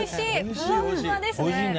ふわふわですね。